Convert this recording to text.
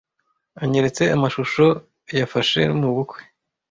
anyeretse amashusho yafashe mubukwe.